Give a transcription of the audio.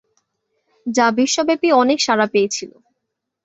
যা বিশ্বব্যাপী অনেক সাড়া পেলে ছিল।